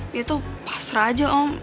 dia tuh pasrah aja om